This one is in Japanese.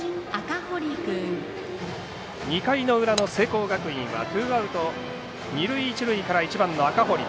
２回の裏の聖光学院はツーアウト、二塁一塁から１番の赤堀。